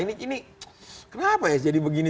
ini kenapa ya jadi begini